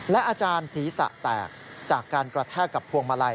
อาจารย์ศีรษะแตกจากการกระแทกกับพวงมาลัย